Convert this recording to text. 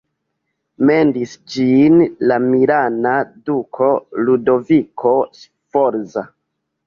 Mendis ĝin la milana duko Ludoviko Sforza.